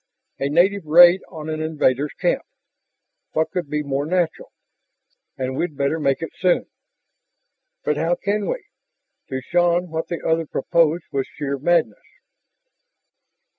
"A native raid on an invaders' camp. What could be more natural? And we'd better make it soon." "But how can we?" To Shann what the other proposed was sheer madness.